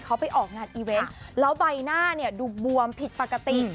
เขาไปออกงานอีเวนต์แล้วใบหน้าเนี่ยดูบวมผิดปกติ